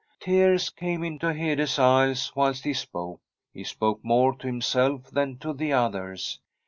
Tears came into Hede's eyes whilst he spoke. He spoke more to himself than to the others.